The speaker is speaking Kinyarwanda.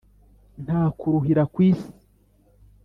Nta kuruhira ku isi